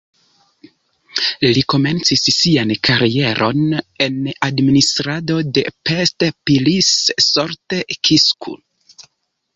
Li komencis sian karieron en administrado de Pest-Pilis-Solt-Kiskun.